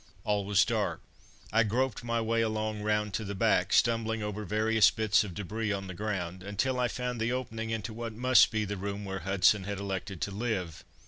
All was dark. I groped my way along round to the back, stumbling over various bits of debris on the ground, until I found the opening into what must be the room where Hudson had elected to live.